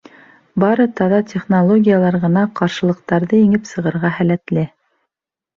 Бары таҙа технологиялар ғына ҡаршылыҡтарҙы еңеп сығырға һәләтле.